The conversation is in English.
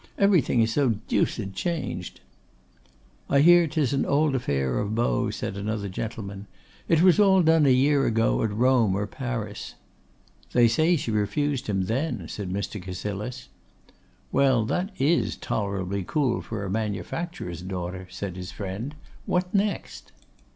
Everything is so deuced changed.' 'I hear 'tis an old affair of Beau,' said another gentleman. 'It was all done a year ago at Rome or Paris.' 'They say she refused him then,' said Mr. Cassilis. 'Well, that is tolerably cool for a manufacturer's daughter,' said his friend. 'What next?